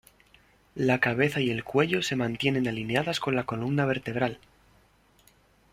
La cabeza y el cuello se mantienen alineadas con la columna vertebral.